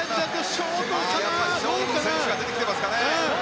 ショート選手が出てきてますね。